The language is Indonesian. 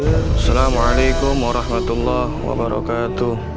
assalamualaikum warahmatullahi wabarakatuh